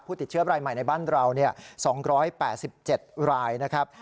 ติดเชื้อรายใหม่ในบ้านเรา๒๘๗รายนะครับ